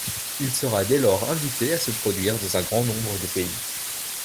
Il sera dès lors invité à se produire dans un grand nombre de pays.